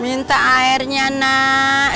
minta airnya nak